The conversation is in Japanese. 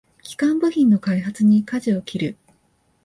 基幹部品の開発にかじを切る